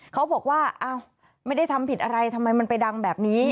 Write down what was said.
เขาบอกว่าอ้าวไม่ได้ทำผิดอะไรทำไมมันไปดังแบบนี้